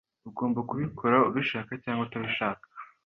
Ugomba kubikora, ubishaka cyangwa utabishaka.